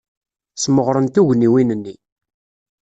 Smeɣren tugniwin-nni.